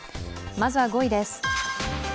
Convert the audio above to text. まずは５位です。